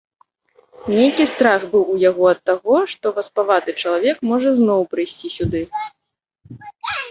Нейкі страх быў у яго ад таго, што васпаваты чалавек можа зноў прыйсці сюды.